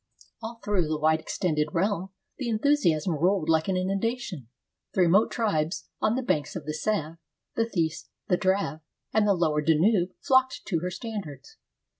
All through the wide extended realm, the enthusiasm rolled like an innundation. The remote tribes on the banks of the Save, the Theiss, the Drave, and the lower Danube flocked to her standards.